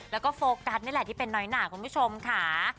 แล้วก็โฟกัสนี่แหละที่เป็นน้อยหนาคุณผู้ชมค่ะ